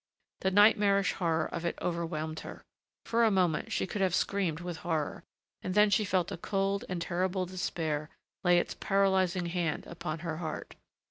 The nightmarish horror of it overwhelmed her. For a moment she could have screamed with horror, and then she felt a cold and terrible despair lay its paralyzing hand upon her heart.